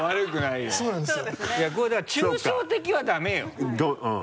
いやこれだから抽象的はダメようん。